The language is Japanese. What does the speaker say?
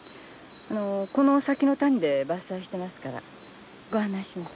この先の谷で伐採してますからご案内します。